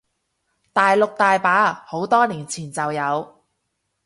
大陸大把，好多年前就有